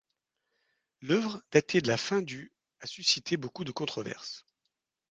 L'œuvre, datée de la fin du a suscité beaucoup de controverses.